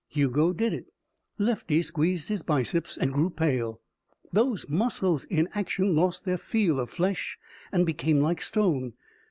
Hugo did it. Lefty squeezed his biceps and grew pale. Those muscles in action lost their feel of flesh and became like stone.